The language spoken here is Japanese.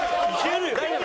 大丈夫？